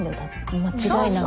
間違いなく。